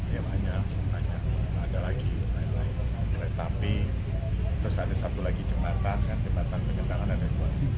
iya banyak banyak ada lagi tapi terus ada satu lagi jembatan tempat penyertaan ada dua